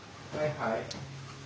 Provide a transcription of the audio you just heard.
・はい。